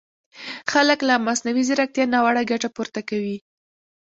خلک له مصنوعي ځیرکیتا ناوړه ګټه پورته کوي!